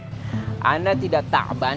saya tidak takban